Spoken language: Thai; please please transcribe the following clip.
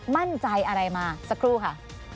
มั่นใจอะไรมาสักครู่ค่ะ